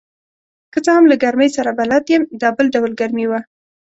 که څه هم له ګرمۍ سره بلد یم، دا بل ډول ګرمي وه.